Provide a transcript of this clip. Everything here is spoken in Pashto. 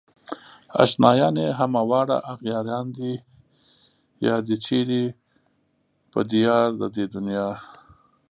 اشنايان يې همه واړه اغياران دي يار دئ چيرې په ديار د دې دنيا